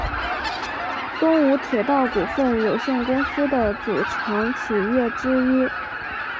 东武铁道股份有限公司的组成企业之一。